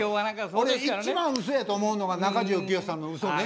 俺一番嘘やと思うのは中条きよしさんの「うそ」ね。